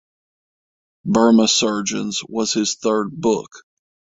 Burma Surgeons was his third book.